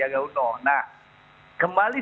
ya gaunno nah kembali